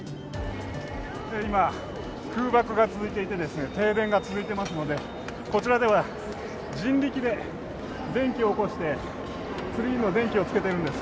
今、空爆が続いていて、停電が続いてますのでこちらでは人力で電気を起こしてツリーの電気をつけているんです。